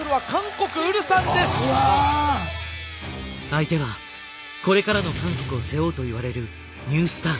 相手はこれからの韓国を背負うといわれる